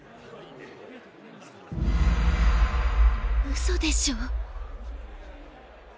うそでしょ。